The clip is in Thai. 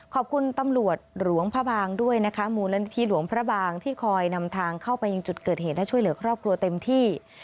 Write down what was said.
ขอบคุณตำรวจหลวงพระบางด้วยนะคะมูลนิธิหลวงพระบางที่คอยนำทางเข้าไปยังจุดเกิดเหตุและช่วยเหลือครอบครัวเต็มที่